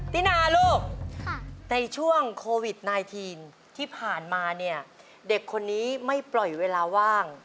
ตินาลูกในช่วงโควิด๑๙ที่ผ่านมาเนี่ยเด็กคนนี้ไม่ปล่อยเวลาว่าง